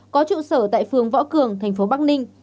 có trụ sở tại phường võ cường thành phố bắc ninh